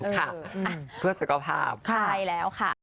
ค่ะเพื่อสุขภาพใช่แล้วค่ะ